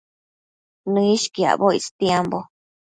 Nëishquiacboc istiambo